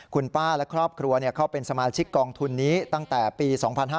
คุณป้าและครอบครัวเข้าเป็นสมาชิกกองทุนนี้ตั้งแต่ปี๒๕๕๙